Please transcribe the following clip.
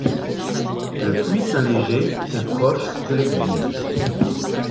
Le puits Saint-Léger est proche de l'église.